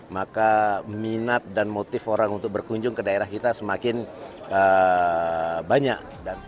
maka minat dan motif orang untuk berkunjung ke daerah kita semakin banyak